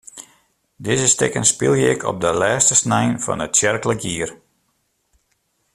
Dizze stikken spylje ik op de lêste snein fan it tsjerklik jier.